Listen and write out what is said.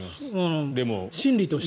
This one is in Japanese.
でも心理として。